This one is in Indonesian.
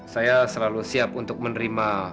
saya selalu siap untuk menerima